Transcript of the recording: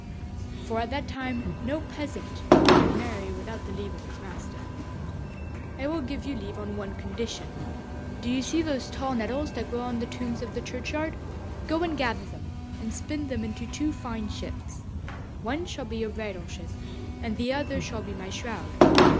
For at that time no peasant could marry without the leave of his master. 'I will give you leave on one condition. Do you see those tall nettles that grow on the tombs in the churchyard? Go and gather them, and spin them into two fine shifts. One shall be your bridal shift, and the other shall be my shroud.